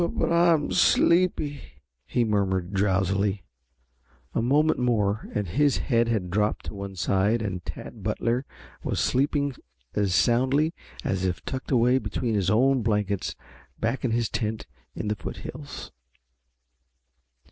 "Yoh hum, but I'm sleepy," he murmured drowsily. A moment more and his head had drooped to one side and Tad Butler was sleeping as soundly as if tucked away between his own blankets back in his tent in the foothills.